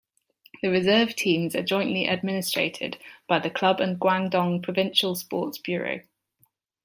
The reserve teams are jointly-administrated by the club and Guangdong Provincial Sports Bureau.